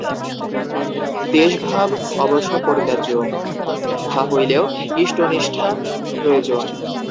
দ্বেষভাব অবশ্য পরিত্যাজ্য, তাহা হইলেও ইষ্টনিষ্ঠা প্রয়োজন।